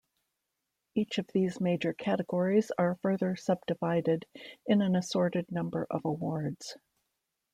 Each of these major categories are further sub-divided in an assorted number of awards.